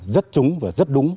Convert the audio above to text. rất trúng và rất đúng